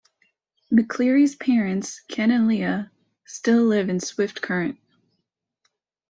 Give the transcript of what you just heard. McCleary's parents Ken and Leah still live in Swift Current.